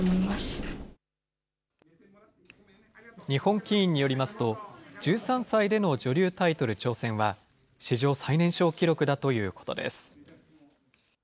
日本棋院によりますと、１３歳での女流タイトル挑戦は、史上最年少記録だということです。